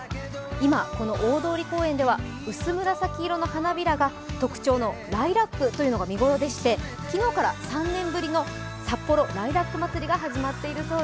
今、この大通公園では薄紫色の花びらが特徴のライラックというのが見頃でして昨日から３年ぶりのさっぽろライラックまつりが行われています。